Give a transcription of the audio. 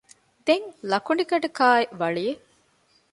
ދެން ލަކުޑިގަނޑަކާއި ވަޅިއެއް